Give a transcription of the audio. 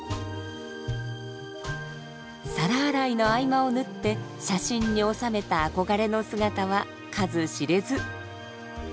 皿洗いの合間を縫って写真に収めた憧れの姿は数知れず。